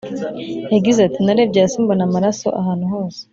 Yagize ati “Narebye hasi mbona amaraso ahantu hose